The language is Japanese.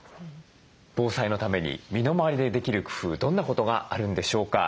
防災のために身の回りでできる工夫どんなことがあるんでしょうか？